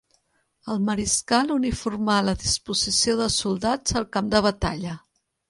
El mariscal uniformà la disposició dels soldats al camp de batalla.